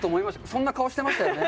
そんな顔してましたよね？